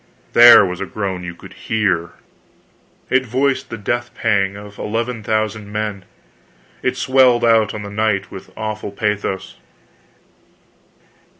There was a groan you could hear! It voiced the death pang of eleven thousand men. It swelled out on the night with awful pathos.